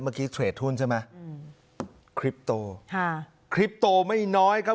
เมื่อกี้เทรดหุ้นใช่ไหมอืมคลิปโตค่ะคลิปโตไม่น้อยครับ